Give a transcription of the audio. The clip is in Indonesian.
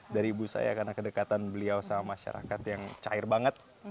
dari ibu saya karena kedekatan beliau sama masyarakat yang cair banget